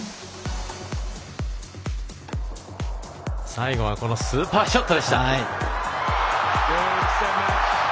最後はスーパーショットでした。